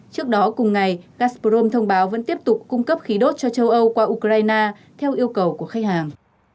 trước đó cùng ngày gasprom thông báo vẫn tiếp tục cung cấp khí đốt cho châu âu qua ukraine theo yêu cầu của khách hàng